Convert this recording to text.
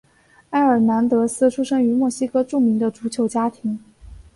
埃尔南德斯出生于墨西哥著名的足球家庭。